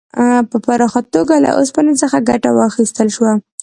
په پراخه توګه له اوسپنې څخه ګټه واخیستل شوه.